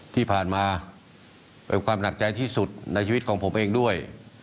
ที่ผ่านมาเป็นความหนักใจที่สุดในชีวิตของผมเองด้วย